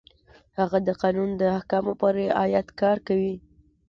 هغه د قانون د احکامو په رعایت کار کوي.